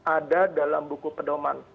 ada dalam buku pedoman